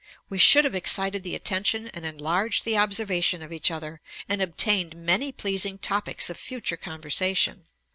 We should have excited the attention and enlarged the observation of each other, and obtained many pleasing topicks of future conversation.'